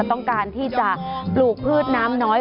ต้องการที่จะปลูกพืชน้ำน้อย